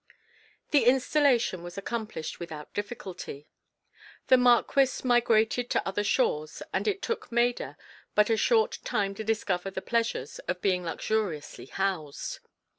The installation was accomplished without difficulty. The marquis migrated to other shores and it took Maida but a short time to discover the pleasures of being luxuriously housed.